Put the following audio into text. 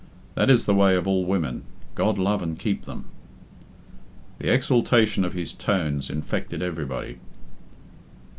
That is the way of all women God love and keep them!" The exaltation of his tones infected everybody.